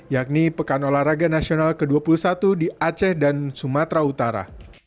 yakni pekan olahraga nasional ke dua puluh satu di aceh dan sumatera utara